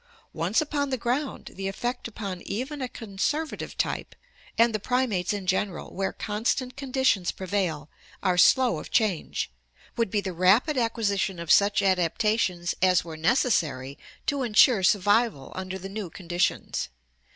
Once upon the ground the effect upon even a conservative type — and the primates in general, where constant conditions prevail, are slow of change — would be the rapid acquisition of such adapta tions as were necessary to insure survival under the new conditions.